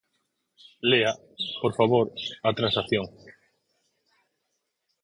Lea, por favor, a transacción.